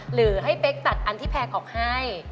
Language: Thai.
หรือให้เป๊กตัดอันที่แพงออกให้